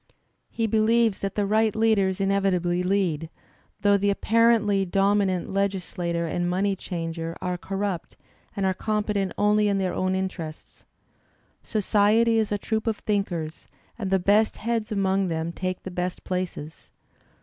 He believes that the right leaders inevitably lead, though the apparently dominant legislator and money changer are corrupt and are competent only in their own interests. ^'Society is a troop of thinkers, and the best heads among them take the best places."